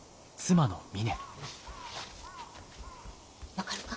分かるか？